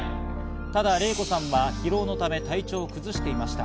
ただレイコさんは疲労のため体調を崩していました。